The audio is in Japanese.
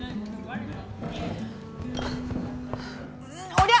おりゃ！